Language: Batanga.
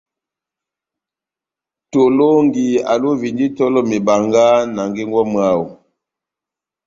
Tolɔngi alovindi itɔlɔ mebanga na ngengo ya mwáho.